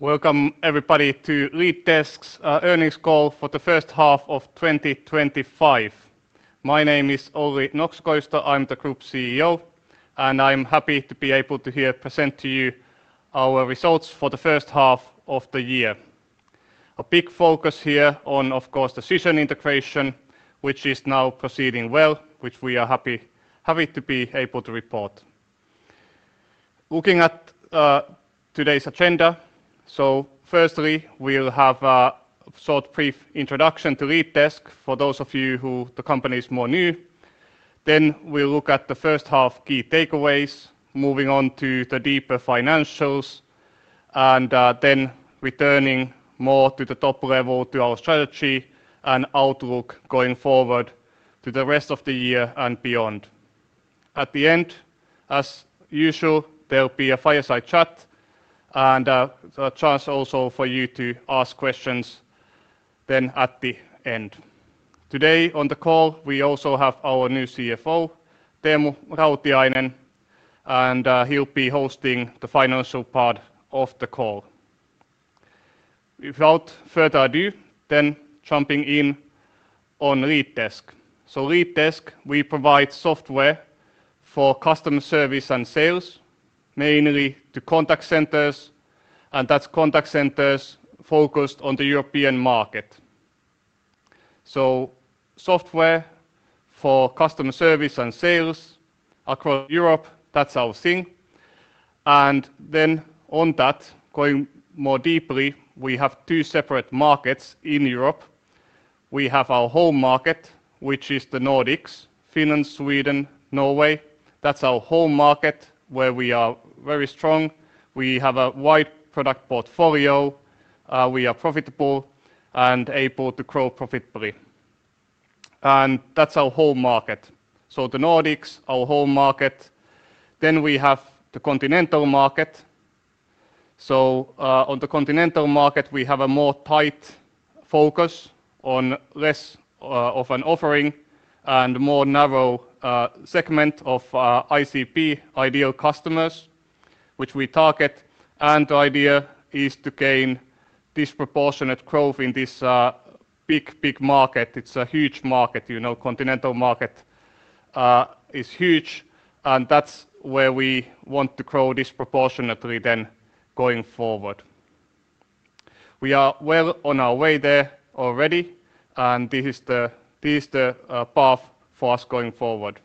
Welcome, everybody, to LeadDesk's Earnings Call for the First Half of 2025. My name is Olli Nokso-Koivisto, I'm the Group CEO, and I'm happy to be able to here present to you our results for the first half of the year. A big focus here on, of course, Cision integration, which is now proceeding well, which we are happy to be able to report. Looking at today's agenda, firstly, we'll have a short brief introduction to LeadDesk for those of you who the company is more new. Then we'll look at the first half's key takeaways, moving on to the deeper financials, and then returning more to the top level to our strategy and outlook going forward to the rest of the year and beyond. At the end, as usual, there'll be a fireside chat and a chance also for you to ask questions then at the end. Today on the call, we also have our new CFO, Teemu Rautiainen, and he'll be hosting the financial part of the call. Without further ado, jumping in on LeadDesk. LeadDesk provides software for customer service and sales, mainly to contact centers, and that's contact centers focused on the European market. Software for customer service and sales across Europe, that's our thing. Going more deeply, we have two separate markets in Europe. We have our home market, which is the Nordics, Finland, Sweden, Norway. That's our home market where we are very strong. We have a wide product portfolio. We are profitable and able to grow profitably. That's our home market, the Nordics, our home market. We have the continental market. On the continental market, we have a more tight focus on less of an offering and more narrow segment of ICP, ideal customers, which we target. The idea is to gain disproportionate growth in this big, big market. It's a huge market. The continental market is huge, and that's where we want to grow disproportionately going forward. We are well on our way there already, and this is the path for us going forward.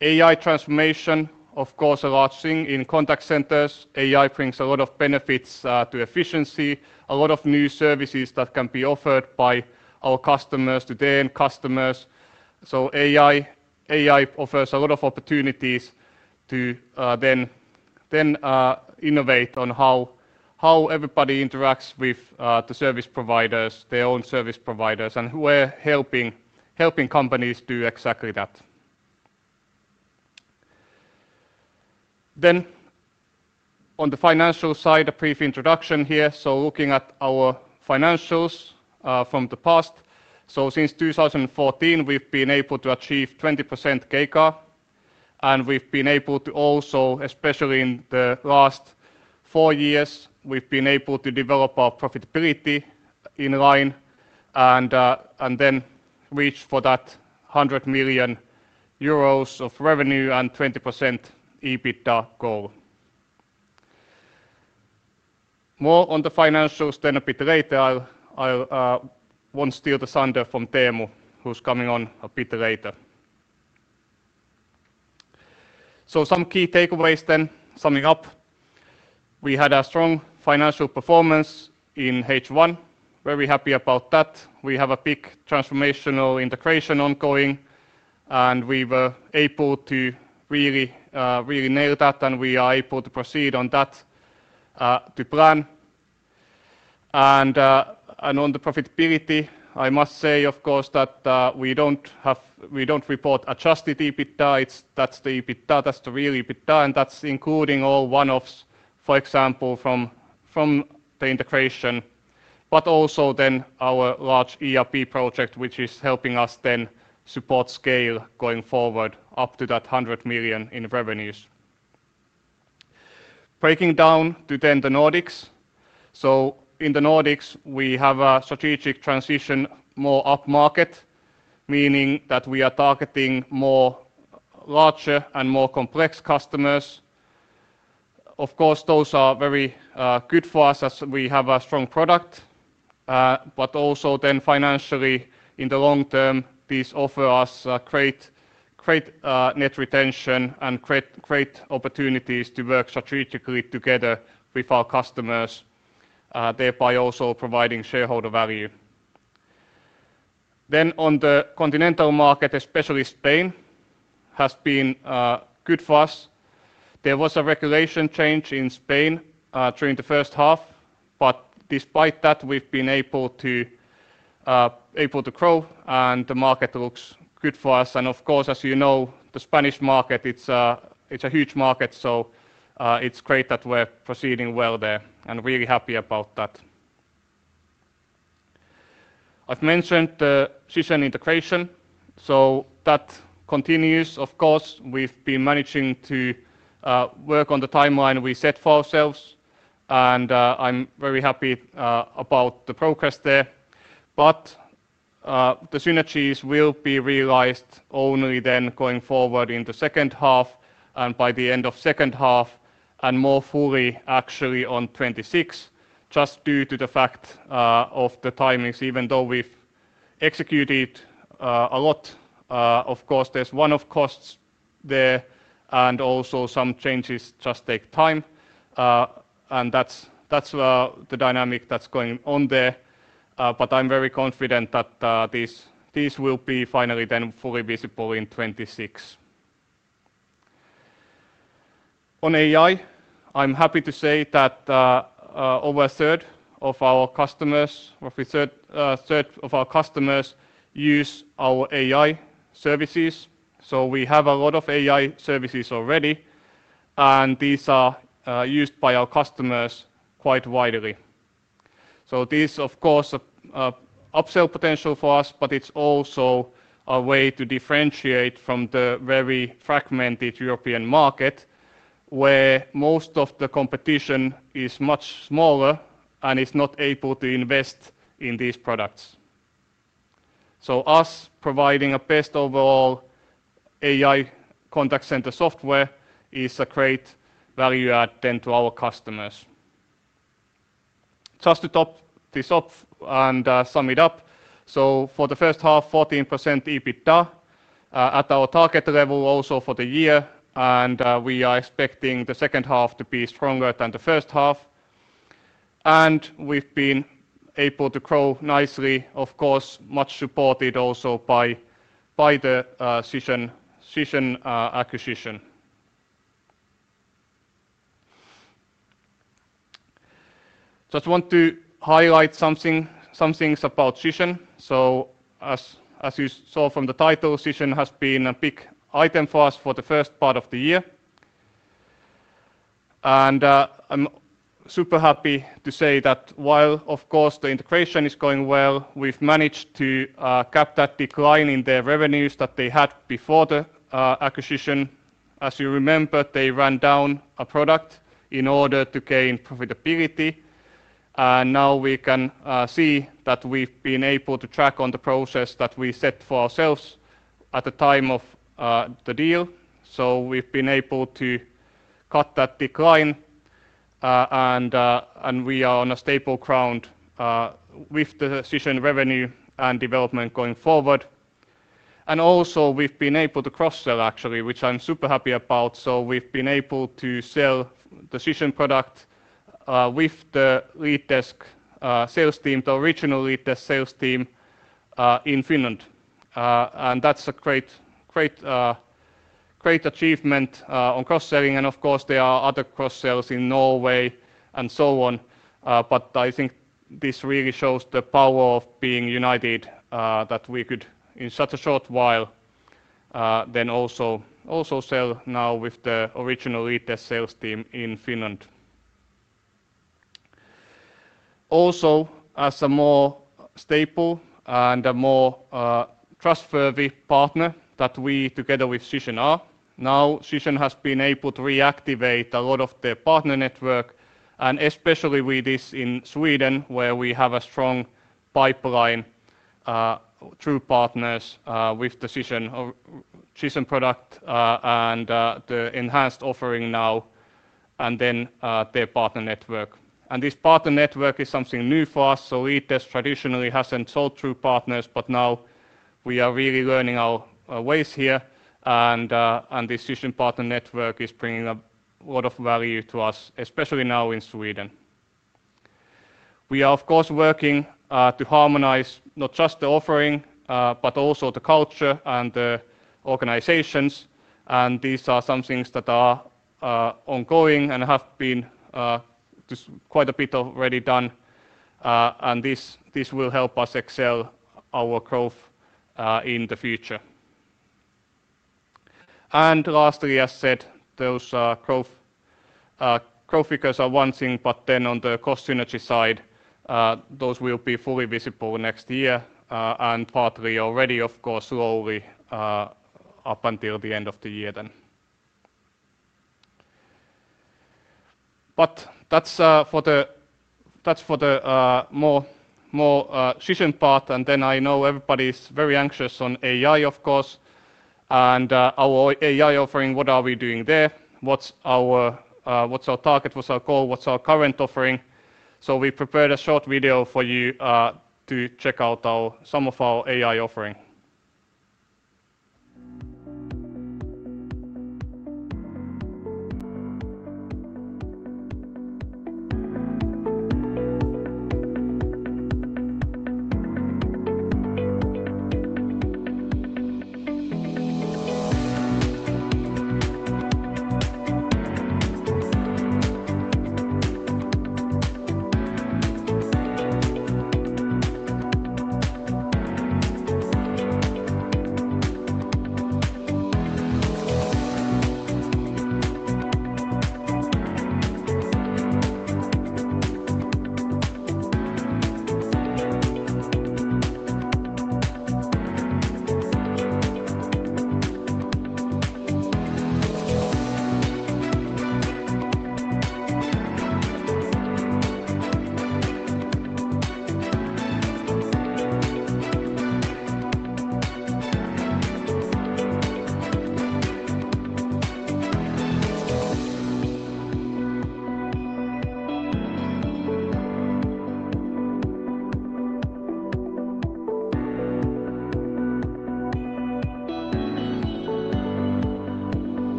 AI transformation, of course, a large thing in contact centers. AI brings a lot of benefits to efficiency, a lot of new services that can be offered by our customers, the end customers. AI offers a lot of opportunities to innovate on how everybody interacts with the service providers, their own service providers, and we're helping companies do exactly that. On the financial side, a brief introduction here. Looking at our financials from the past, since 2014, we've been able to achieve 20% CAGR, and we've been able to also, especially in the last four years, develop our profitability in line and then reach for that 100 million euros of revenue and 20% EBITDA goal. More on the financials a bit later. I'll once steal the sound from Teemu, who's coming on a bit later. Some key takeaways, then, summing up. We had a strong financial performance in H1. Very happy about that. We have a big transformational integration ongoing, and we were able to really, really nail that, and we are able to proceed on that to plan. On the profitability, I must say, of course, that we don't report adjusted EBITDA. That's the EBITDA. That's the real EBITDA, and that's including all one-offs, for example, from the integration, but also our large ERP project, which is helping us support scale going forward up to that 100 million in revenues. Breaking down to the Nordics, in the Nordics, we have a strategic transition more up market, meaning that we are targeting more larger and more complex customers. Of course, those are very good for us as we have a strong product, but also financially in the long term, these offer us great net retention and great opportunities to work strategically together with our customers, thereby also providing shareholder value. On the continental market, especially Spain has been good for us. There was a regulation change in Spain during the first half, but despite that, we've been able to grow, and the market looks good for us. Of course, as you know, the Spanish market, it's a huge market, so it's great that we're proceeding well there and really happy about that. I've mentioned the Cision integration. That continues, of course. We've been managing to work on the timeline we set for ourselves, and I'm very happy about the progress there. The synergies will be realized only going forward in the second half and by the end of the second half and more fully actually in 2026, just due to the fact of the timings. Even though we've executed a lot, of course, there's one-off costs there and also some changes just take time. That's the dynamic that's going on there. I'm very confident that these will be finally then fully visible in 2026. On AI, I'm happy to say that over a third of our customers, roughly a third of our customers, use our AI services. We have a lot of AI services already, and these are used by our customers quite widely. These, of course, are upsell potential for us, but it's also a way to differentiate from the very fragmented European market where most of the competition is much smaller and is not able to invest in these products. Us providing a best overall AI contact center software is a great value add to our customers. Just to top this off and sum it up, for the first half, 14% EBITDA at our target level also for the year, and we are expecting the second half to be stronger than the first half. We've been able to grow nicely, much supported also by the Cision acquisition. I just want to highlight some things about Cision. As you saw from the title, Cision has been a big item for us for the first part of the year. I'm super happy to say that while the integration is going well, we've managed to cap that decline in their revenues that they had before the acquisition. As you remember, they ran down a product in order to gain profitability. Now we can see that we've been able to track on the process that we set for ourselves at the time of the deal. We've been able to cut that decline, and we are on a stable ground with the Cision revenue and development going forward. We've been able to cross-sell, actually, which I'm super happy about. We've been able to sell the Cision product with the LeadDesk sales team, the original LeadDesk sales team in Finland. That's a great, great, great achievement on cross-selling. There are other cross-sells in Norway and so on. I think this really shows the power of being united that we could, in such a short while, also sell now with the original LeadDesk sales team in Finland. Also, as a more stable and a more trustworthy partner that we together with Cision are, now Cision has been able to reactivate a lot of their partner network. Especially with this in Sweden, where we have a strong pipeline through partners with the Cision product and the enhanced offering now, and then their partner network. This partner network is something new for us. LeadDesk traditionally hasn't sold through partners, but now we are really learning our ways here. This Cision partner network is bringing a lot of value to us, especially now in Sweden. We are, of course, working to harmonize not just the offering, but also the culture and the organizations. These are some things that are ongoing and have been quite a bit already done. This will help us excel our growth in the future. Lastly, as said, those growth figures are one thing, but then on the cost synergy side, those will be fully visible next year and partly already, of course, slowly up until the end of the year. That is for the more Cision part. I know everybody's very anxious on AI, of course, and our AI offering, what are we doing there, what's our target, what's our goal, what's our current offering. We prepared a short video for you to check out some of our AI offering.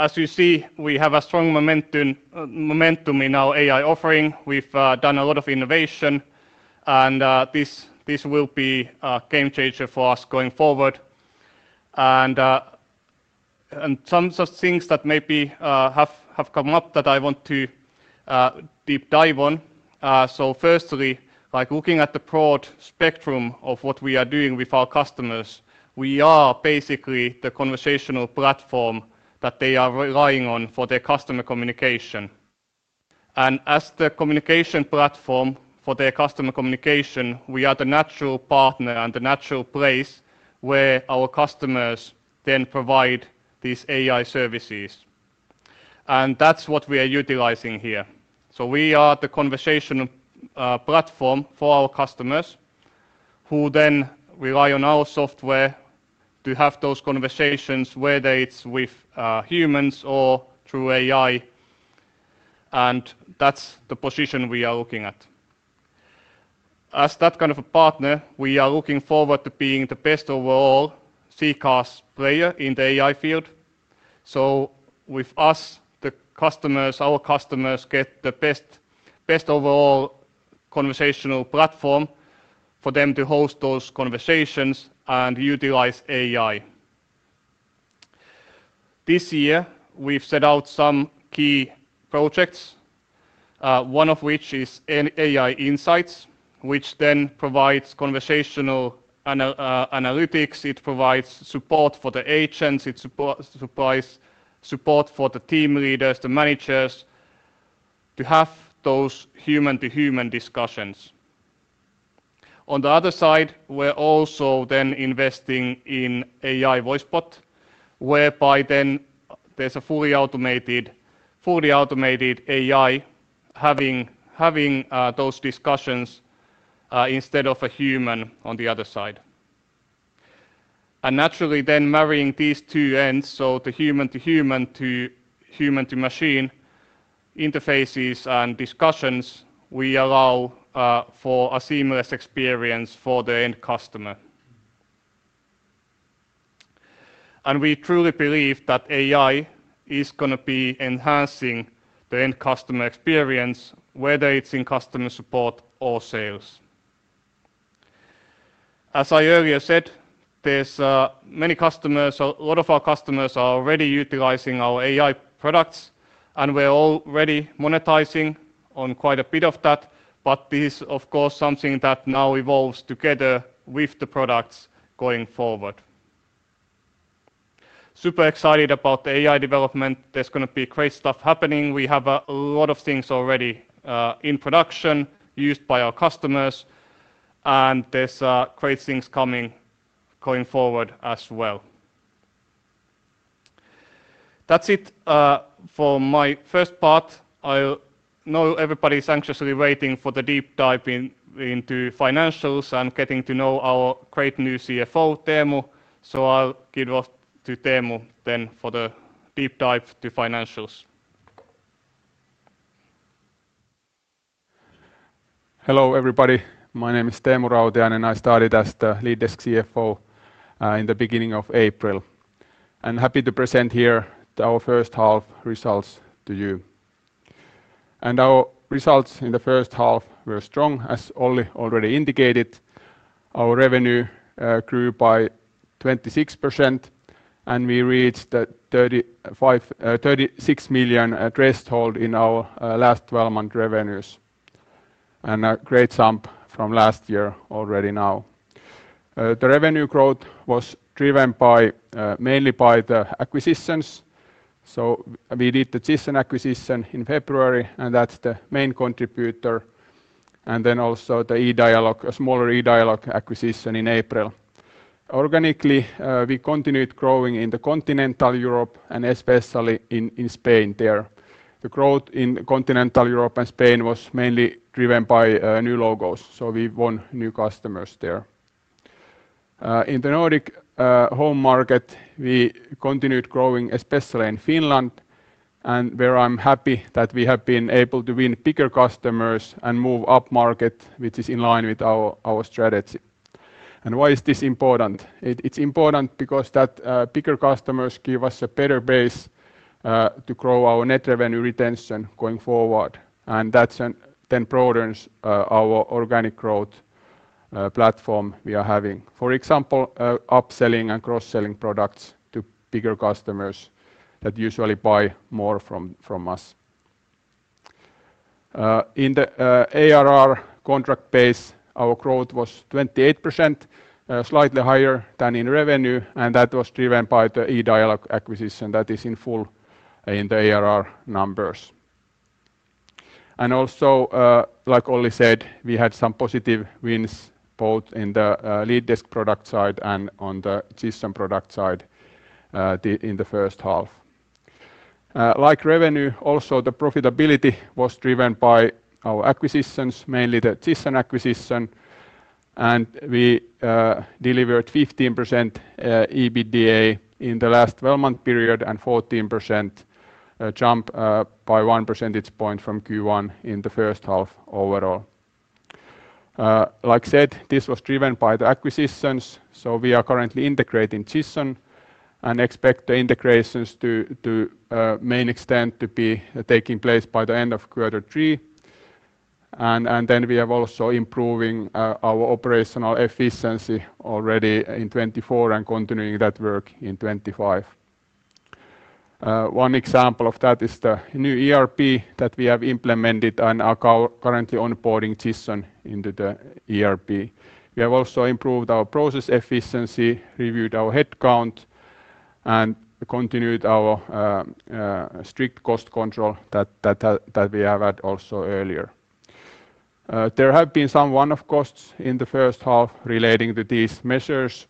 As you see, we have a strong momentum in our AI offering. We've done a lot of innovation, and this will be a game changer for us going forward. Some of the things that maybe have come up that I want to deep dive on. Firstly, like looking at the broad spectrum of what we are doing with our customers, we are basically the conversational platform that they are relying on for their customer communication. As the communication platform for their customer communication, we are the natural partner and the natural place where our customers then provide these AI services. That is what we are utilizing here. We are the conversation platform for our customers who then rely on our software to have those conversations, whether it's with humans or through AI. That is the position we are looking at. As that kind of a partner, we are looking forward to being the best overall CCaaS player in the AI field. With us, our customers get the best overall conversational platform for them to host those conversations and utilize AI. This year, we've set out some key projects, one of which is AI Insights, which then provides conversational analytics. It provides support for the agents. It provides support for the team leaders, the managers to have those human-to-human discussions. On the other side, we're also then investing in AI Voicebot, whereby then there's a fully automated AI having those discussions instead of a human on the other side. Naturally, then marrying these two ends, so the human-to-human to human-to-machine interfaces and discussions, we allow for a seamless experience for the end customer. We truly believe that AI is going to be enhancing the end customer experience, whether it's in customer support or sales. As I earlier said, there's many customers, a lot of our customers are already utilizing our AI products, and we're already monetizing on quite a bit of that. This is, of course, something that now evolves together with the products going forward. Super excited about the AI development. There is going to be great stuff happening. We have a lot of things already in production used by our customers, and there's great things coming going forward as well. That's it for my first part. I know everybody's anxiously waiting for the deep dive into financials and getting to know our great new CFO, Teemu. I'll give off to Teemu then for the deep dive to financials. Hello, everybody. My name is Teemu Rautiainen. I started as the LeadDesk CFO in the beginning of April. I'm happy to present here our first half results to you. Our results in the first half were strong, as Olli already indicated. Our revenue grew by 26%, and we reached the 36 million threshold in our last 12 months revenues. A great jump from last year already now. The revenue growth was driven mainly by the acquisitions. We did the Cision acquisition in February, and that's the main contributor. Then also the eDialog24, a smaller eDialog24 acquisition in April. Organically, we continued growing in continental Europe and especially in Spain. The growth in continental Europe and Spain was mainly driven by new logos. We won new customers there. In the Nordic home market, we continued growing, especially in Finland, and where I'm happy that we have been able to win bigger customers and move up market, which is in line with our strategy. Why is this important? It's important because bigger customers give us a better base to grow our net revenue retention going forward. That then broadens our organic growth platform we are having. For example, upselling and cross-selling products to bigger customers that usually buy more from us. In the ARR contract base, our growth was 28%, slightly higher than in revenue, and that was driven by the eDialog24 acquisition that is in full in the ARR numbers. Also, like Olli said, we had some positive wins both in the LeadDesk product side and on the Cision product side in the first half. Like revenue, also the profitability was driven by our acquisitions, mainly the Cision acquisition. We delivered 15% EBITDA in the last 12-month period and 14%, jump by 1 percentage point from Q1 in the first half overall. Like I said, this was driven by the acquisitions. We are currently integrating Cision and expect the integrations to main extent to be taking place by the end of quarter three. We are also improving our operational efficiency already in 2024 and continuing that work in 2025. One example of that is the new ERP project that we have implemented and are currently onboarding Cision into the ERP. We have also improved our process efficiency, reviewed our headcount, and continued our strict cost control that we have had also earlier. There have been some one-off costs in the first half relating to these measures.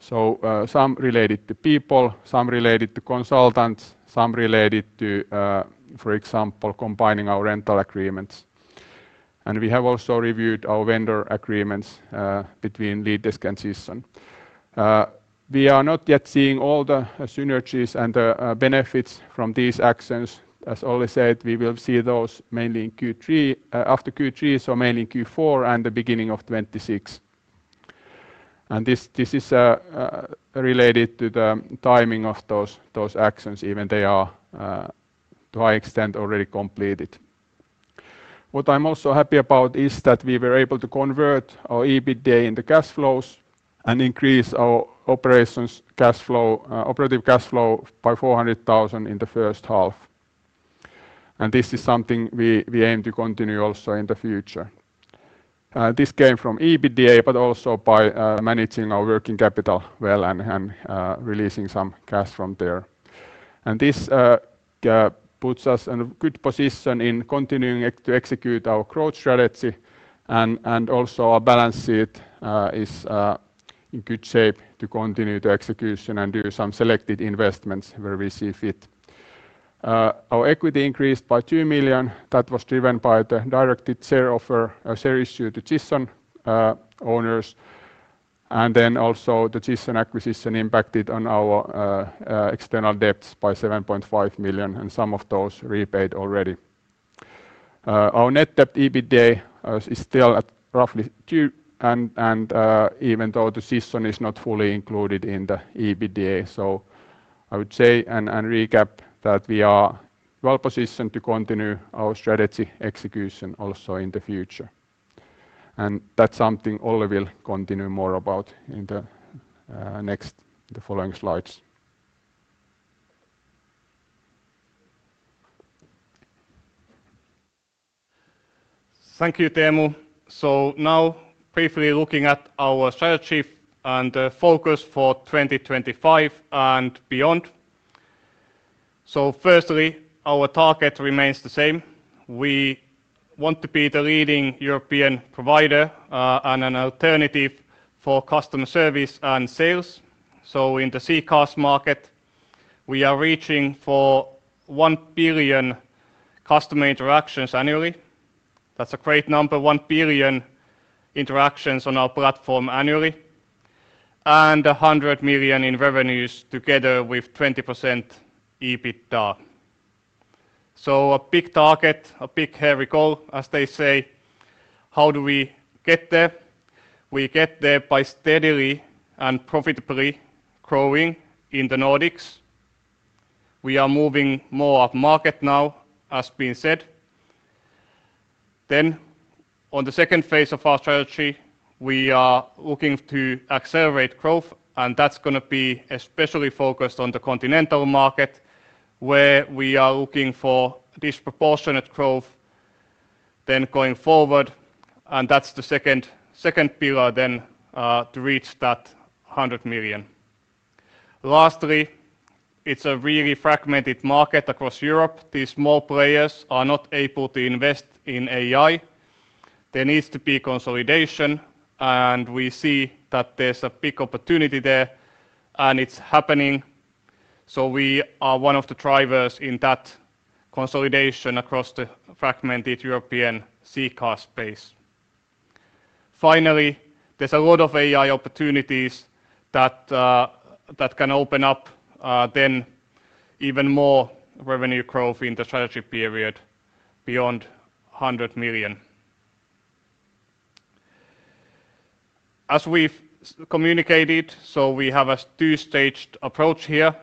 Some related to people, some related to consultants, some related to, for example, combining our rental agreements. We have also reviewed our vendor agreements between LeadDesk and Cision. We are not yet seeing all the synergies and the benefits from these actions. As Olli said, we will see those mainly in Q3, after Q3, mainly in Q4 and the beginning of 2026. This is related to the timing of those actions, even though they are to high extent already completed. What I'm also happy about is that we were able to convert our EBITDA into cash flows and increase our operations cash flow, operative cash flow by 400,000 in the first half. This is something we aim to continue also in the future. This came from EBITDA, but also by managing our working capital well and releasing some cash from there. This puts us in a good position in continuing to execute our growth strategy. Our balance sheet is in good shape to continue the execution and do some selected investments where we see fit. Our equity increased by 2 million. That was driven by the directed share offer share issue to Cision owners. The Cision acquisition impacted on our external debts by 7.5 million, and some of those repaid already. Our net debt EBITDA is still at roughly 2. Even though the Cision is not fully included in the EBITDA, I would say and recap that we are well positioned to continue our strategy execution also in the future. That's something Olli will continue more about in the following slides. Thank you, Teemu. Now briefly looking at our strategy and the focus for 2025 and beyond. Firstly, our target remains the same. We want to be the leading European provider and an alternative for customer service and sales. In the CCaaS market, we are reaching for 1 billion customer interactions annually. That's a great number, 1 billion interactions on our platform annually. And $100 million in revenues together with 20% EBITDA. A big target, a big hairy goal, as they say. How do we get there? We get there by steadily and profitably growing in the Nordics. We are moving more up market now, as has been said. In the second phase of our strategy, we are looking to accelerate growth, and that's going to be especially focused on the continental Europe market where we are looking for disproportionate growth going forward. That is the second pillar to reach that $100 million. Lastly, it's a really fragmented market across Europe. These small players are not able to invest in AI. There needs to be consolidation, and we see that there's a big opportunity there, and it's happening. We are one of the drivers in that consolidation across the fragmented European CCaaS space. Finally, there are a lot of AI opportunities that can open up even more revenue growth in the strategy period beyond $100 million. As we've communicated, we have a two-staged approach here.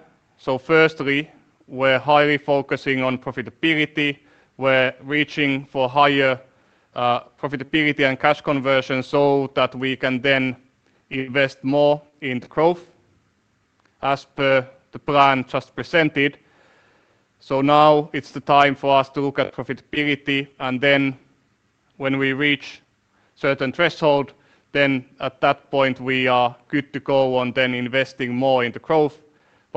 Firstly, we're highly focusing on profitability. We're reaching for higher profitability and cash conversion so that we can then invest more in the growth as per the plan just presented. Now it's the time for us to look at profitability, and when we reach a certain threshold, at that point we are good to go on investing more in the growth.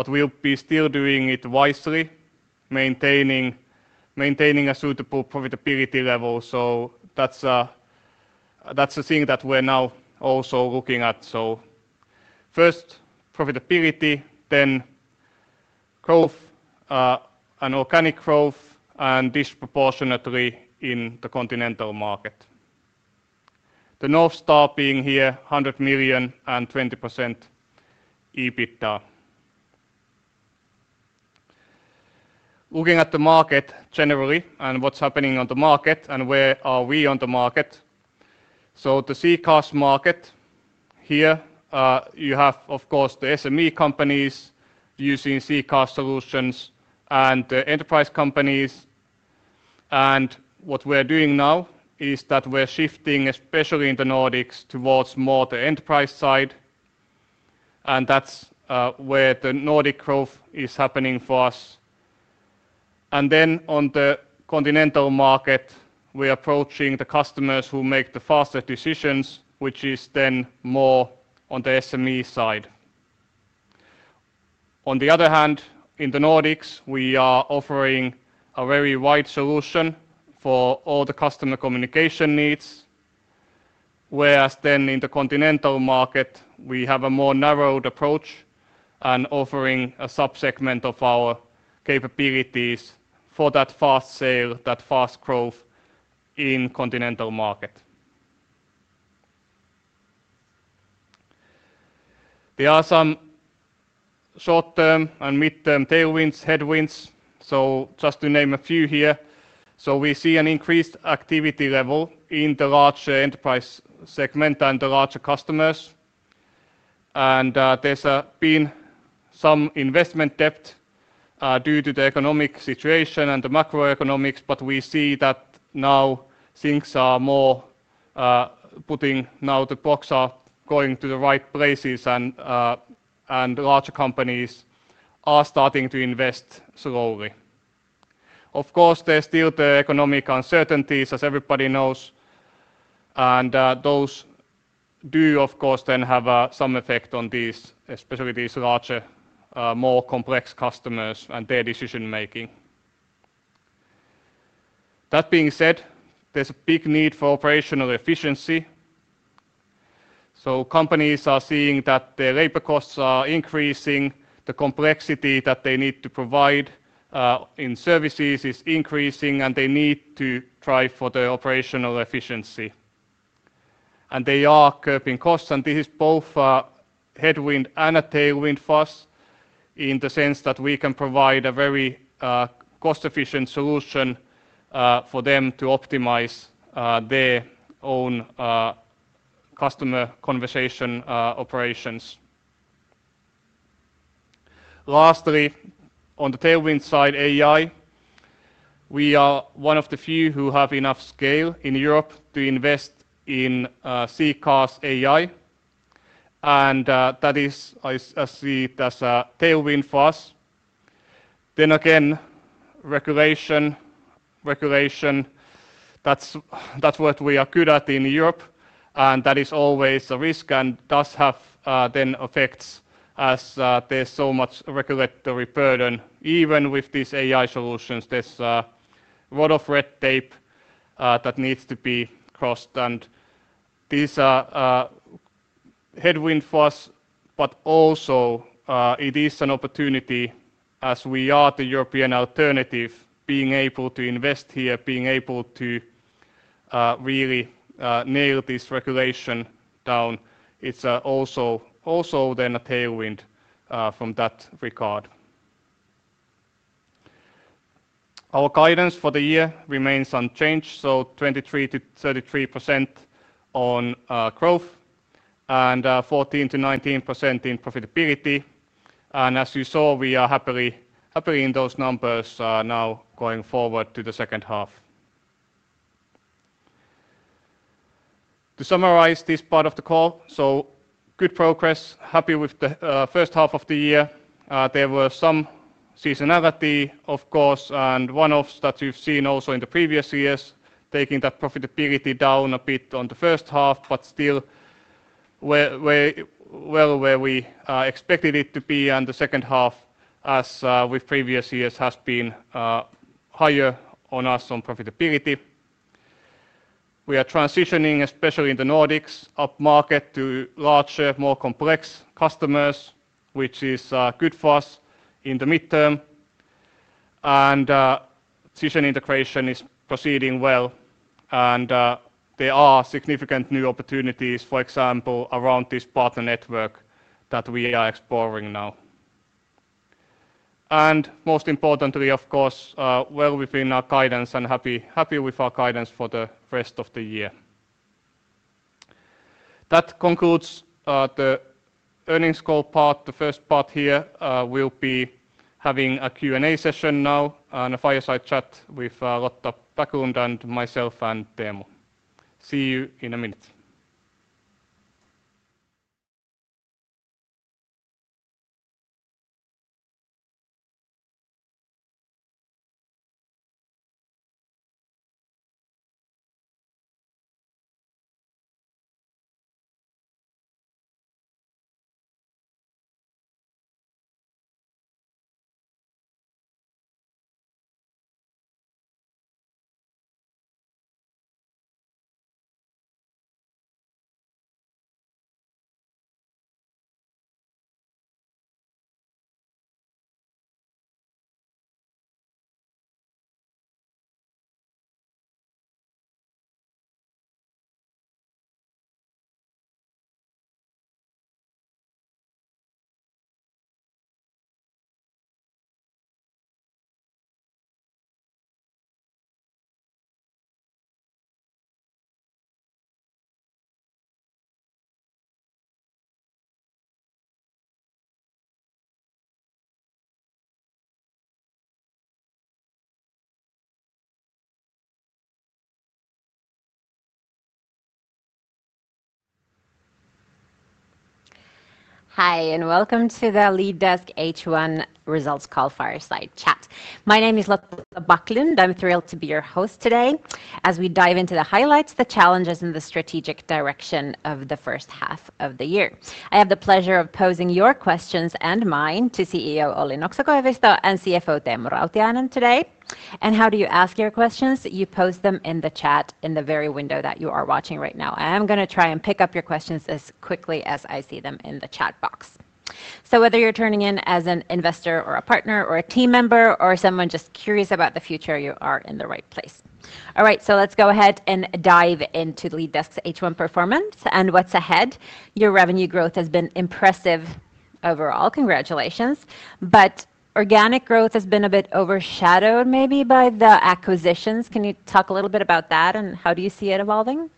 We'll be still doing it wisely, maintaining a suitable profitability level. That's the thing that we're now also looking at. First profitability, then growth and organic growth, and disproportionately in the continental Europe market. The North Star being here $100 million and 20% EBITDA. Looking at the market generally and what's happening on the market and where we are on the market. The CCaaS market here, you have, of course, the SME companies using CCaaS solutions and the enterprise companies. What we're doing now is that we're shifting, especially in the Nordics, towards more the enterprise side. That's where the Nordic growth is happening for us. In the continental Europe market, we're approaching the customers who make the faster decisions, which is more on the SME side. In the Nordics, we are offering a very wide solution for all the customer communication needs. Whereas then in the continental Europe market, we have a more narrowed approach and are offering a subsegment of our capabilities for that fast sale, that fast growth in the continental Europe market. There are some short-term and mid-term tailwinds and headwinds, just to name a few here. We see an increased activity level in the larger enterprise segment and the larger customers. There's been some investment depth due to the economic situation and the macroeconomics, but we see that now things are more putting, now the blocks are going to the right places and larger companies are starting to invest slowly. Of course, there's still the economic uncertainties, as everybody knows. Those do, of course, have some effect on these, especially these larger, more complex customers and their decision-making. That being said, there's a big need for operational efficiency. Companies are seeing that their labor costs are increasing, the complexity that they need to provide in services is increasing, and they need to try for their operational efficiency. They are curbing costs, and this is both a headwind and a tailwind for us in the sense that we can provide a very cost-efficient solution for them to optimize their own customer conversation operations. Lastly, on the tailwind side, AI, we are one of the few who have enough scale in Europe to invest in CCaaS AI. I see it as a tailwind for us. Regulation is what we are good at in Europe, and that is always a risk and does have effects as there's so much regulatory burden. Even with these AI-powered solutions, there's a lot of red tape that needs to be crossed. These are headwinds for us, but also it is an opportunity as we are the European alternative, being able to invest here, being able to really nail this regulation down. It's also a tailwind from that regard. Our guidance for the year remains unchanged, so 23%-33% on growth and 14%-19% in profitability. As you saw, we are happy in those numbers now going forward to the second half. To summarize this part of the call, good progress, happy with the first half of the year. There was some seasonality, of course, and one-offs that you've seen also in the previous years taking that profitability down a bit on the first half, but still well where we expected it to be. The second half, as with previous years, has been higher on us on profitability. We are transitioning, especially in the Nordics, up market to larger, more complex customers, which is good for us in the mid-term. Cision integration is proceeding well, and there are significant new opportunities, for example, around this partner network that we are exploring now. Most importantly, of course, we are well within our guidance and happy with our guidance for the rest of the year. That concludes the earnings call part. The first part here will be having a Q&A session now and a fireside chat with Lotta Buckland and myself and Teemu. See you in a minute. Hi, and welcome to the LeadDesk H1 results call fireside chat. My name is Lotta Buckland. I'm thrilled to be your host today as we dive into the highlights, the challenges, and the strategic direction of the first half of the year. I have the pleasure of posing your questions and mine to CEO Olli Nokso-Koivisto and CFO Teemu Rautiainen today. How do you ask your questions? You post them in the chat in the very window that you are watching right now. I am going to try and pick up your questions as quickly as I see them in the chat box. Whether you're tuning in as an investor or a partner or a team member or someone just curious about the future, you are in the right place. All right, let's go ahead and dive into LeadDesk's H1 performance and what's ahead. Your revenue growth has been impressive overall. Congratulations. Organic growth has been a bit overshadowed maybe by the acquisitions. Can you talk a little bit about that and how do you see it evolving?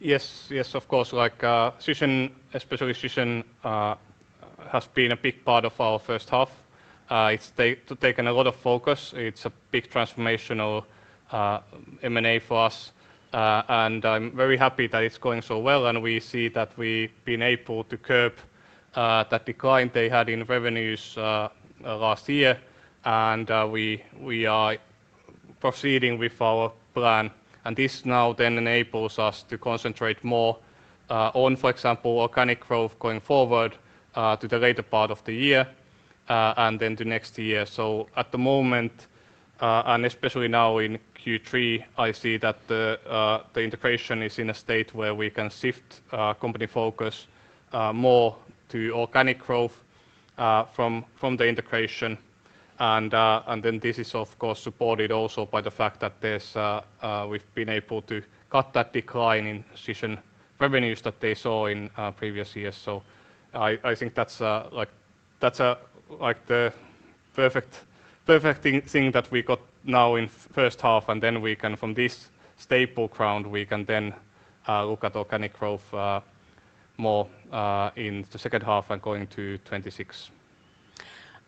Yes, yes, of course. Like Cision, especially Cision, has been a big part of our first half. It's taken a lot of focus. It's a big transformational M&A for us. I'm very happy that it's going so well. We see that we've been able to curb that decline they had in revenues last year. We are proceeding with our plan. This now then enables us to concentrate more on, for example, organic growth going forward to the later part of the year and then to next year. At the moment, and especially now in Q3, I see that the integration is in a state where we can shift company focus more to organic growth from the integration. This is, of course, supported also by the fact that we've been able to cut that decline in Cision revenues that they saw in previous years. I think that's like the perfect thing that we got now in the first half. From this stable ground, we can then look at organic growth more in the second half and going to 2026.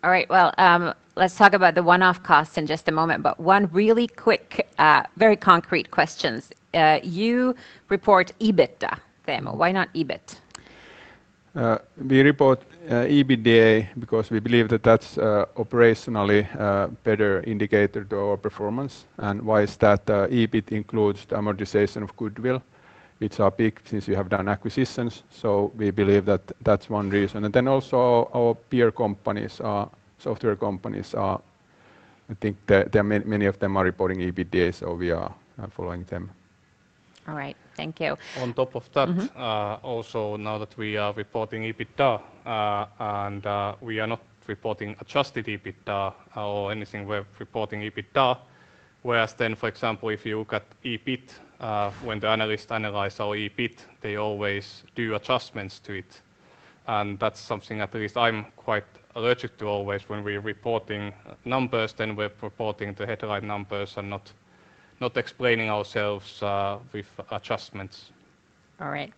All right, let's talk about the one-off costs in just a moment. One really quick, very concrete question. You report EBITDA, Teemu. Why not EBIT? We report EBITDA because we believe that that's operationally a better indicator to our performance. Why is that? EBIT includes the amortization of goodwill. It's our peak since you have done acquisitions. We believe that that's one reason. Also, our peer companies, our software companies, I think many of them are reporting EBITDA, so we are following them. All right, thank you. On top of that, also now that we are reporting EBITDA and we are not reporting adjusted EBITDA or anything, we're reporting EBITDA. For example, if you look at EBIT, when the analysts analyze our EBIT, they always do adjustments to it. That's something at least I'm quite allergic to. Always when we're reporting numbers, we're reporting the headline numbers and not explaining ourselves with adjustments. All right.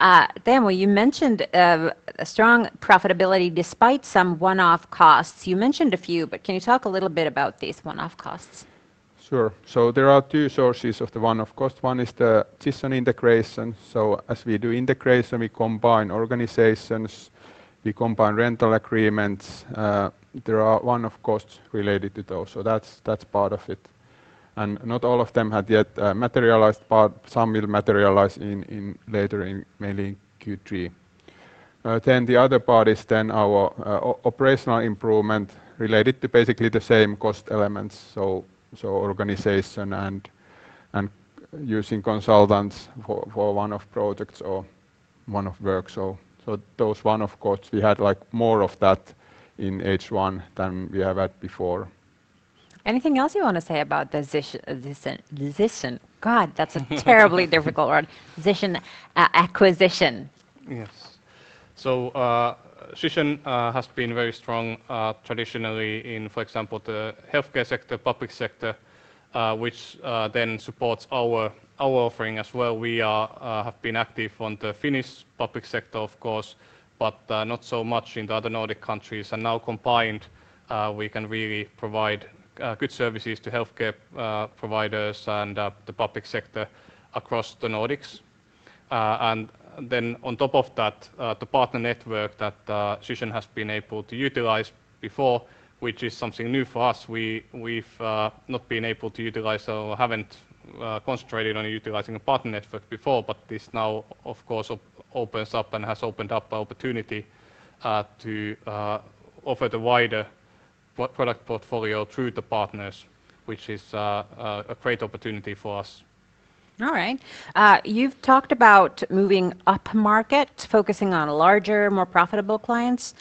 Teemu, you mentioned a strong profitability despite some one-off costs. You mentioned a few, but can you talk a little bit about these one-off costs? Sure. There are two sources of the one-off cost. One is the Cision integration. As we do integration, we combine organizations, we combine rental agreements. There are one-off costs related to those. That's part of it. Not all of them have yet materialized, but some will materialize later, mainly in Q3. The other part is our operational improvement related to basically the same cost elements, so organization and using consultants for one-off projects or one-off work. Those one-off costs, we had more of that in H1 than we have had before. Anything else you want to say about Cision? God, that's a terribly difficult word. Cision acquisition. Yes. Cision has been very strong traditionally in, for example, the healthcare sector and public sector, which then supports our offering as well. We have been active on the Finnish public sector, of course, but not so much in the other Nordic countries. Now combined, we can really provide good services to healthcare providers and the public sector across the Nordics. On top of that, the partner network that Cision has been able to utilize before is something new for us. We've not been able to utilize or haven't concentrated on utilizing a partner network before, but this now opens up and has opened up an opportunity to offer the wider product portfolio through the partners, which is a great opportunity for us. All right. You've talked about moving up market, focusing on larger, more profitable clients.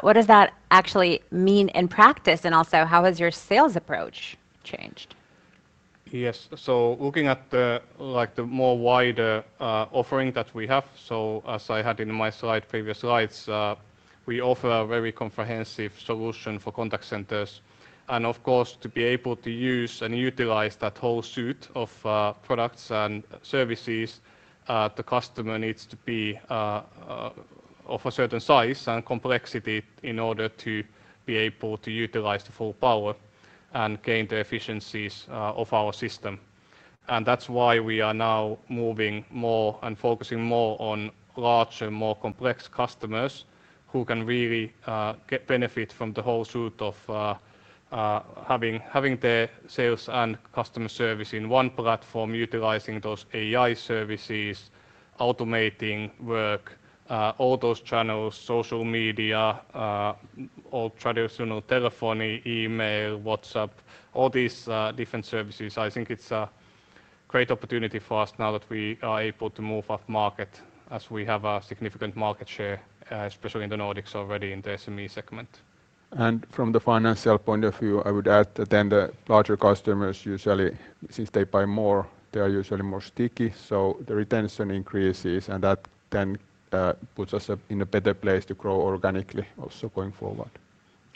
What does that actually mean in practice? Also, how has your sales approach changed? Yes. Looking at the more wider offering that we have, as I had in my previous slides, we offer a very comprehensive solution for contact centers. Of course, to be able to use and utilize that whole suite of products and services, the customer needs to be of a certain size and complexity in order to be able to utilize the full power and gain the efficiencies of our system. That's why we are now moving more and focusing more on larger, more complex customers who can really get benefit from the whole suite of having their sales and customer service in one platform, utilizing those AI services, automating work, all those channels, social media, all traditional telephony, email, WhatsApp, all these different services. I think it's a great opportunity for us now that we are able to move up market as we have a significant market share, especially in the Nordics already in the SME segment. From the financial point of view, I would add that the larger customers usually, since they buy more, are usually more sticky. The retention increases and that then puts us in a better place to grow organically also going forward.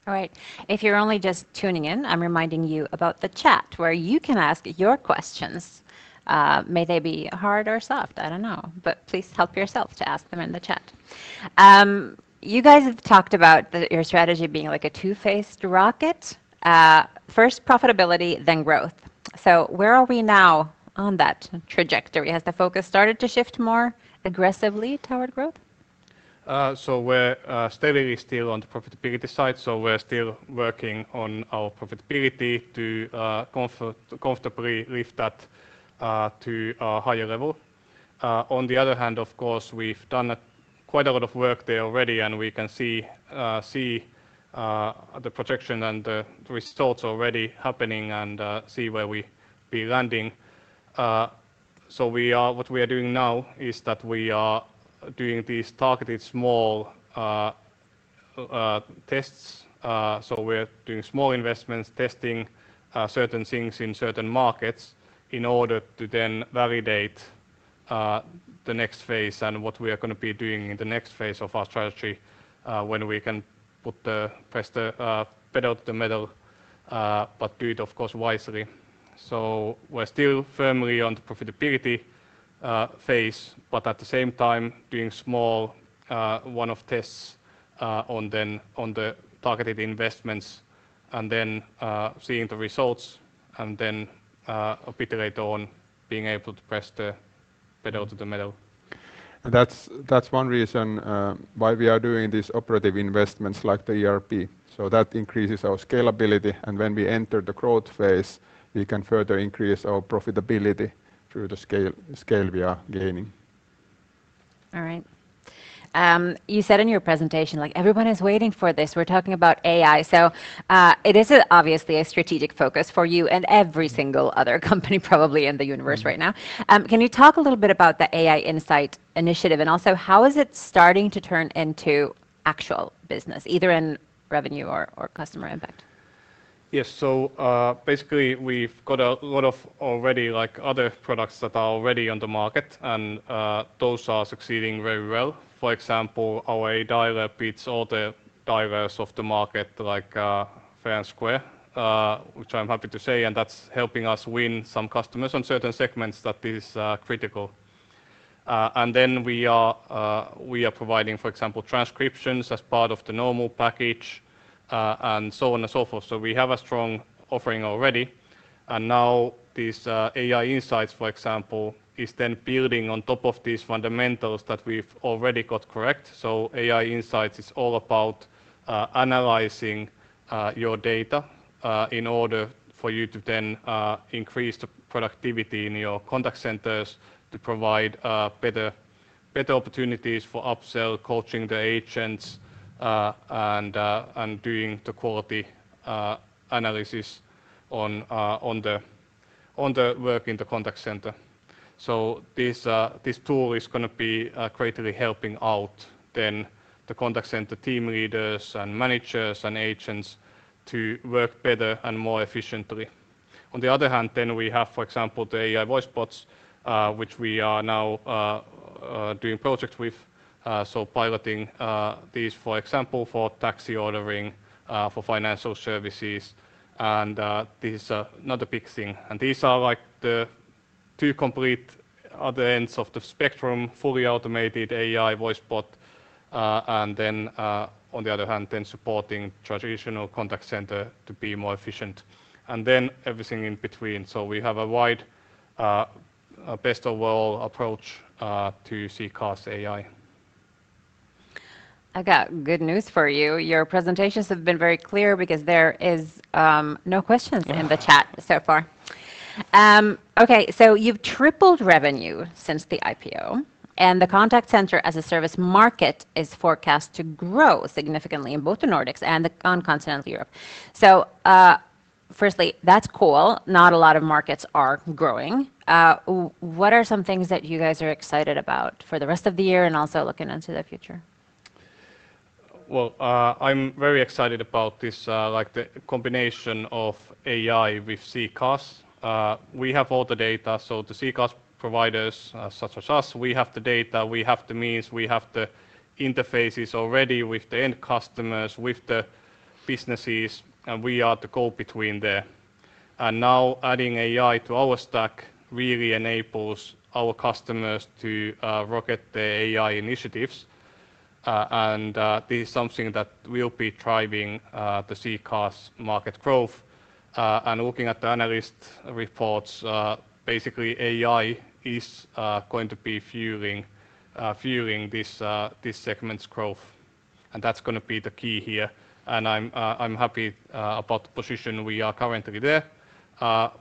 All right. If you're only just tuning in, I'm reminding you about the chat where you can ask your questions. May they be hard or soft, I don't know, but please help yourself to ask them in the chat. You guys have talked about your strategy being like a two-faced rocket. First, profitability, then growth. Where are we now on that trajectory? Has the focus started to shift more aggressively toward growth? We're steadily still on the profitability side. We're still working on our profitability to comfortably lift that to a higher level. On the other hand, we've done quite a lot of work there already, and we can see the projection and the results already happening and see where we'll be landing. What we are doing now is that we are doing these targeted small tests. We're doing small investments, testing certain things in certain markets in order to then validate the next phase and what we are going to be doing in the next phase of our strategy when we can put the pedal to the metal, but do it, of course, wisely. We're still firmly on the profitability phase, but at the same time, doing small one-off tests on the targeted investments and then seeing the results and then a bit later on being able to press the pedal to the metal. That's one reason why we are doing these operative investments like the ERP project. That increases our scalability, and when we enter the growth phase, we can further increase our profitability through the scale we are gaining. All right. You said in your presentation, like everyone is waiting for this. We're talking about AI. It is obviously a strategic focus for you and every single other company probably in the universe right now. Can you talk a little bit about the AI Insights initiative and also how is it starting to turn into actual business, either in revenue or customer impact? Yes. Basically, we've got a lot of already like other products that are already on the market, and those are succeeding very well. For example, our AI dialer beats all the dialers of the market, like FanSquare, which I'm happy to say, and that's helping us win some customers on certain segments that is critical. We are providing, for example, transcriptions as part of the normal package and so on and so forth. We have a strong offering already. Now these AI Insights, for example, are then building on top of these fundamentals that we've already got correct. AI Insights is all about analyzing your data in order for you to then increase the productivity in your contact centers to provide better opportunities for upsell, coaching the agents, and doing the quality analysis on the work in the contact center. This tool is going to be greatly helping out then the contact center team leaders and managers and agents to work better and more efficiently. On the other hand, we have, for example, the AI Voicebot, which we are now doing projects with. Piloting these, for example, for taxi ordering, for financial services, and this is another big thing. These are like the two complete other ends of the spectrum, fully automated AI Voicebot, and then on the other hand, supporting traditional contact center to be more efficient. Then everything in between. We have a wide best-of-all approach to CCaaS AI. I got good news for you. Your presentations have been very clear because there are no questions in the chat so far. OK, you've tripled revenue since the IPO, and the contact center as a service market is forecast to grow significantly in both the Nordics and continental Europe. Firstly, that's cool. Not a lot of markets are growing. What are some things that you guys are excited about for the rest of the year and also looking into the future? I'm very excited about this, like the combination of AI with CCaaS. We have all the data. The CCaaS providers, such as us, we have the data, we have the means, we have the interfaces already with the end customers, with the businesses, and we are the go-between there. Now adding AI to our stack really enables our customers to rocket their AI initiatives. This is something that will be driving the CCaaS market growth. Looking at the analyst reports, basically, AI is going to be fueling this segment's growth. That's going to be the key here. I'm happy about the position we are currently there.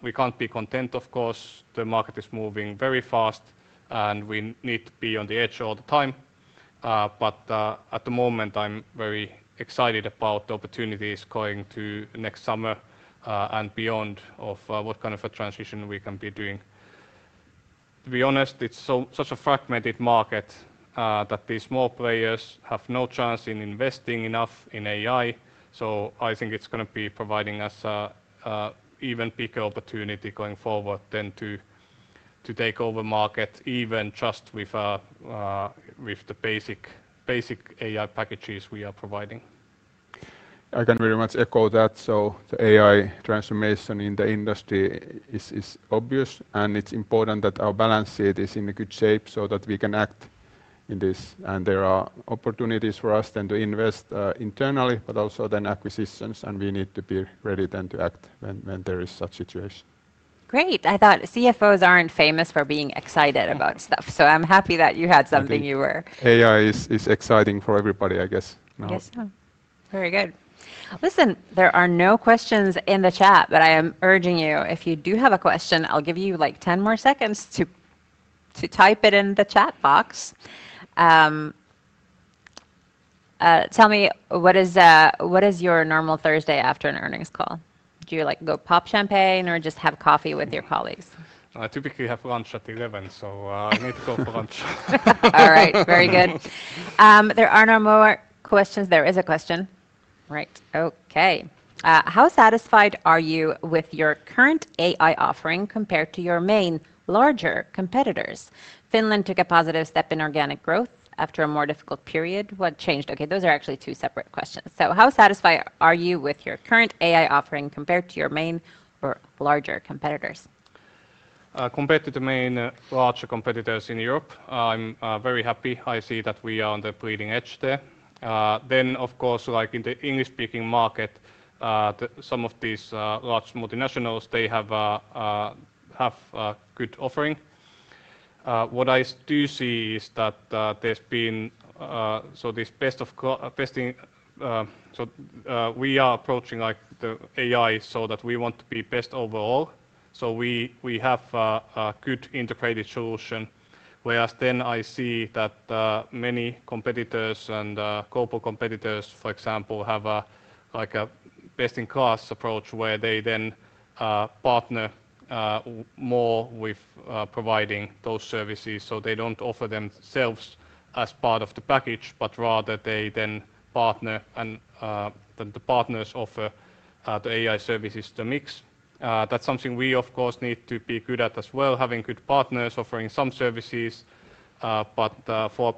We can't be content, of course. The market is moving very fast, and we need to be on the edge all the time. At the moment, I'm very excited about the opportunities going to next summer and beyond of what kind of a transition we can be doing. To be honest, it's such a fragmented market that these small players have no chance in investing enough in AI. I think it's going to be providing us an even bigger opportunity going forward than to take over markets, even just with the basic AI packages we are providing. I can very much echo that. The AI transformation in the industry is obvious, and it's important that our balance sheet is in a good shape so that we can act in this. There are opportunities for us then to invest internally, but also then acquisitions. We need to be ready then to act when there is such a situation. Great. I thought CFOs aren't famous for being excited about stuff, so I'm happy that you had something you were. AI is exciting for everybody, I guess. Very good. Listen, there are no questions in the chat, but I am urging you, if you do have a question, I'll give you like 10 more seconds to type it in the chat box. Tell me, what is your normal Thursday after an earnings call? Do you like go pop champagne or just have coffee with your colleagues? I typically have lunch at 11:00 A.M., so I need to go for lunch. All right, very good. There are no more questions. There is a question. All right, OK. How satisfied are you with your current AI offering compared to your main larger competitors? Finland took a positive step in organic growth after a more difficult period. What changed? OK, those are actually two separate questions. How satisfied are you with your current AI offering compared to your main or larger competitors? Compared to the main larger competitors in Europe, I'm very happy. I see that we are on the bleeding edge there. Of course, like in the English-speaking market, some of these large multinationals have a good offering. What I do see is that there's been this best of besting, so we are approaching the AI so that we want to be best overall. We have a good integrated solution, whereas I see that many competitors and global competitors, for example, have a best-in-class approach where they partner more with providing those services. They don't offer themselves as part of the package, but rather they partner and the partners offer the AI services to mix. That's something we, of course, need to be good at as well, having good partners offering some services. For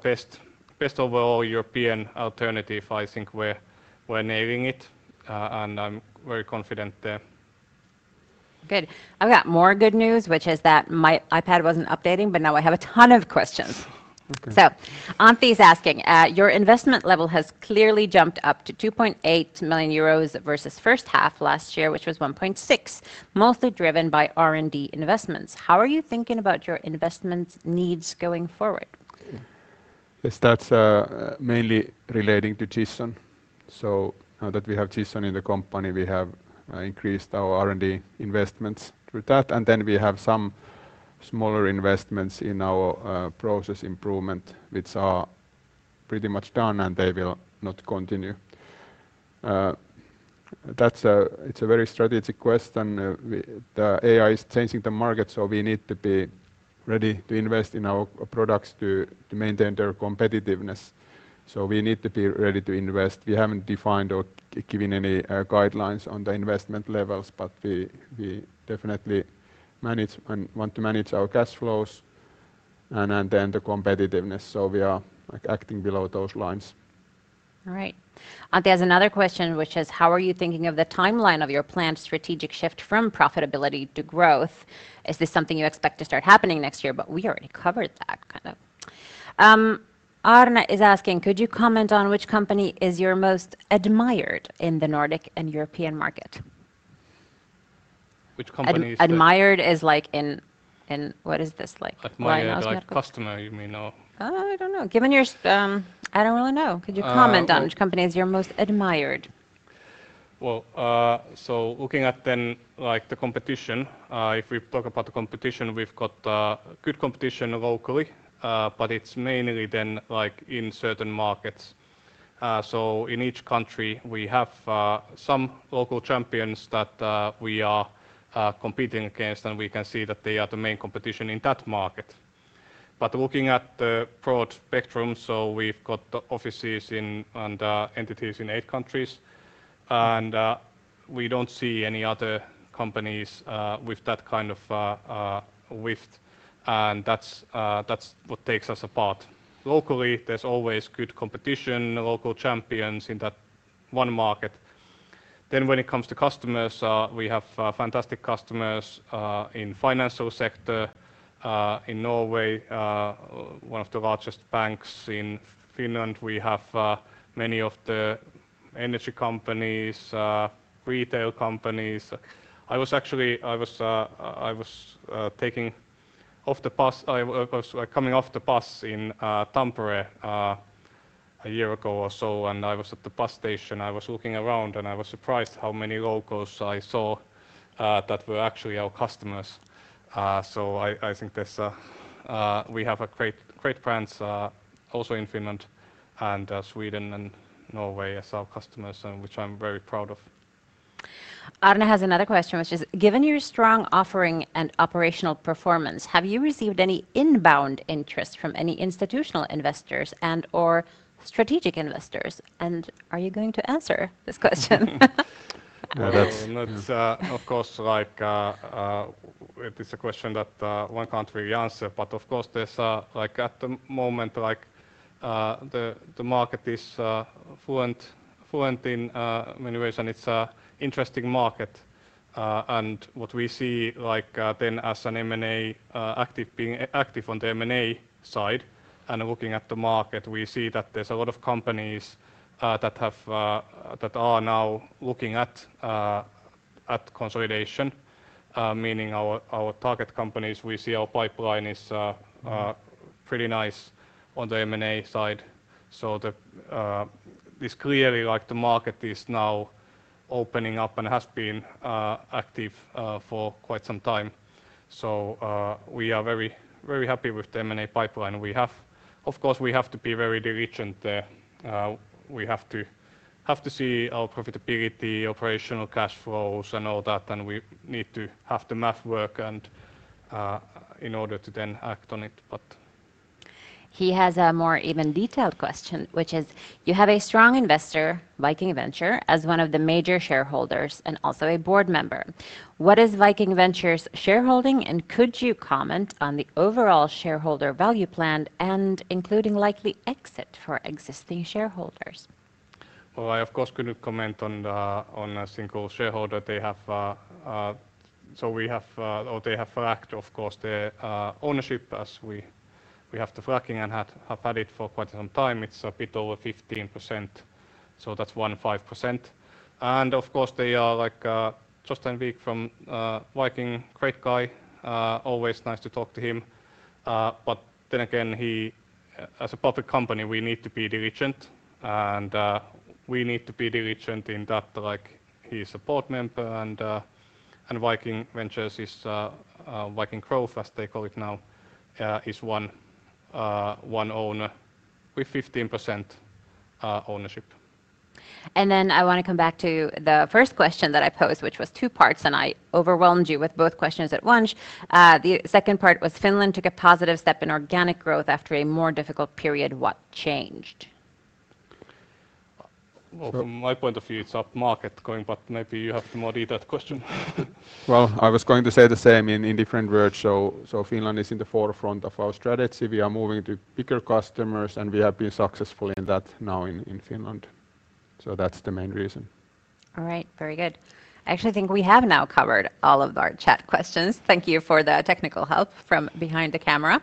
best overall European alternative, I think we're nailing it, and I'm very confident there. Good. I've got more good news, which is that my iPad wasn't updating, but now I have a ton of questions. Antti is asking, your investment level has clearly jumped up to 2.8 million euros versus first half last year, which was 1.6 million, mostly driven by R&D investments. How are you thinking about your investment needs going forward? That's mainly relating to Cision. Now that we have Cision in the company, we have increased our R&D investments with that. We have some smaller investments in our process improvement, which are pretty much done, and they will not continue. It's a very strategic question. The AI is changing the market, we need to be ready to invest in our products to maintain their competitiveness. We need to be ready to invest. We haven't defined or given any guidelines on the investment levels, but we definitely manage and want to manage our cash flows and the competitiveness. We are acting below those lines. All right. Antti has another question, which is, how are you thinking of the timeline of your planned strategic shift from profitability to growth? Is this something you expect to start happening next year? We already covered that kind of. Arna is asking, could you comment on which company is your most admired in the Nordic and European market? Which company is that? Admired is like, what is this? Admired as a customer, you mean? Could you comment on which company is your most admired? Looking at the competition, if we talk about the competition, we've got good competition locally, but it's mainly in certain markets. In each country, we have some local champions that we are competing against, and we can see that they are the main competition in that market. Looking at the broad spectrum, we've got offices and entities in eight countries, and we don't see any other companies with that kind of width. That's what takes us apart. Locally, there's always good competition, local champions in that one market. When it comes to customers, we have fantastic customers in the financial sector. In Norway, one of the largest banks. In Finland, we have many of the energy companies, retail companies. I was actually coming off the bus in Tampere a year ago or so, and I was at the bus station. I was looking around, and I was surprised how many locals I saw that were actually our customers. I think we have great brands also in Finland and Sweden and Norway as our customers, which I'm very proud of. Arna has another question, which is, given your strong offering and operational performance, have you received any inbound interest from any institutional investors or strategic investors? Are you going to answer this question? No, that's, of course, like it is a question that one can't really answer. Of course, there's like at the moment, like the market is fluent in many ways, and it's an interesting market. What we see then as an M&A active being active on the M&A side and looking at the market, we see that there's a lot of companies that are now looking at consolidation, meaning our target companies. We see our pipeline is pretty nice on the M&A side. This clearly, like the market is now opening up and has been active for quite some time. We are very, very happy with the M&A pipeline we have. Of course, we have to be very diligent there. We have to see our profitability, operational cash flows, and all that. We need to have the math work in order to then act on it. He has a more even detailed question, which is, you have a strong investor, Viking Growth, as one of the major shareholders and also a board member. What is Viking Growth's shareholding, and could you comment on the overall shareholder value plan, including likely exit for existing shareholders? I, of course, couldn't comment on a single shareholder. They have, so we have, or they have tracked, of course, their ownership as we have the tracking and have had it for quite some time. It's a bit over 15%. So that's 15%. Of course, they are like just a week from Viking, great guy, always nice to talk to him. As a public company, we need to be diligent. We need to be diligent in that, like he's a board member and Viking Growth, as they call it now, is one owner with 15% ownership. I want to come back to the first question that I posed, which was two parts. I overwhelmed you with both questions at once. The second part was Finland took a positive step in organic growth after a more difficult period. What changed? From my point of view, it's up market going, but maybe you have the more detailed question. I was going to say the same in different words. Finland is in the forefront of our strategy. We are moving to bigger customers, and we have been successful in that now in Finland. That's the main reason. All right, very good. I actually think we have now covered all of our chat questions. Thank you for the technical help from behind the camera.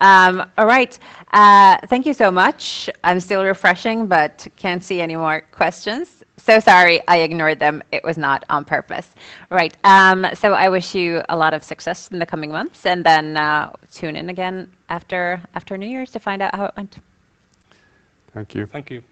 All right, thank you so much. I'm still refreshing, but can't see any more questions. Sorry, I ignored them. It was not on purpose. I wish you a lot of success in the coming months. Tune in again after New Year's to find out how it went. Thank you. Thank you.